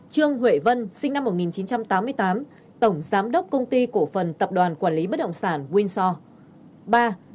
hai trương huệ vân sinh năm một nghìn chín trăm tám mươi tám tổng giám đốc công ty cổ phần tập đoàn quản trị cổ phần tập đoàn vạn thịnh pháp